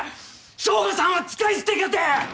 省吾さんは使い捨てかて！